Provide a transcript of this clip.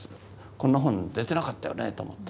こんな本出てなかったよねと思った。